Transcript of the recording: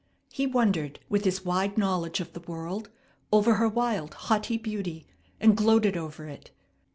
He wondered, with his wide knowledge of the world, over her wild, haughty beauty, and gloated over it.